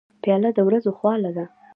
پیاله د ورځو خواله ده.